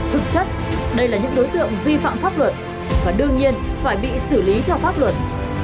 thực chất đây là những đối tượng vi phạm pháp luật và đương nhiên phải bị xử lý theo pháp luật